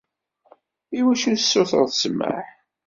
« Iwacu tessutureḍ ssmaḥ? »